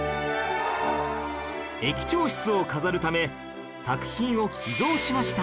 駅長室を飾るため作品を寄贈しました